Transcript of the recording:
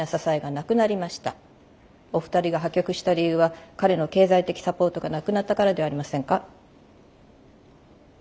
お二人が破局した理由は彼の経済的サポートがなくなったからではありませんか？